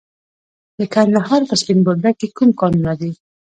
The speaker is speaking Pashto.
د کندهار په سپین بولدک کې کوم کانونه دي؟